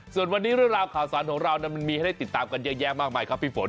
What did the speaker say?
ส่วนวันนี้เรื่องราวข่าวสารของเรามันมีให้ได้ติดตามกันเยอะแยะมากมายครับพี่ฝน